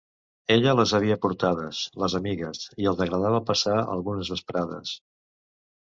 Ella les havia portades, les amigues, i els agradava passar algunes vesprades.